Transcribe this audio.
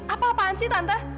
apa apaan sih tante